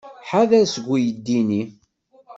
Ḥader seg uydi-nni?